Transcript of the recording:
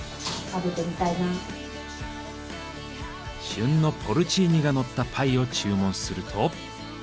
旬のポルチーニがのったパイを注文すると。